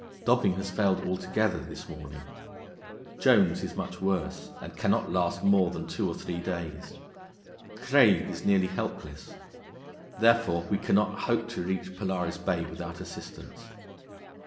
Dobing has failed altogether this morning; Jones is much worse, and cannot last more than two or three days; Craig is nearly helpless; therefore we cannot hope to reach Polaris Bay without assistance.